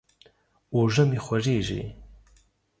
اوږه مې خوږېږي.